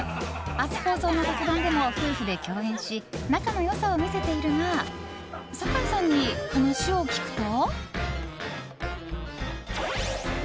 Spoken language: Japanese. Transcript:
明日放送の特番でも夫婦で共演し仲の良さを見せているが坂井さんに話を聞くと。